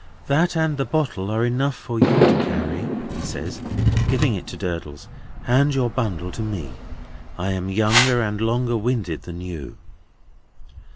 "That and the bottle are enough for you to carry," he says, giving it to Durdles; "hand your bundle to me; I am younger and longer winded than you."